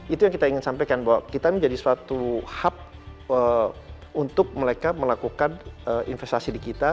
itu yang kita ingin sampaikan bahwa kita menjadi suatu hub untuk mereka melakukan investasi di kita